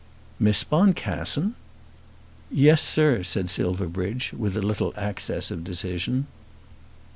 "Miss Boncassen!" "Yes, sir," said Silverbridge, with a little access of decision.